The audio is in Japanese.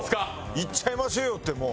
いっちゃいましょうよってもう。